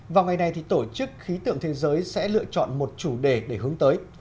vào ngày này tổ chức khí tượng thế giới sẽ lựa chọn một chủ đề để hướng tới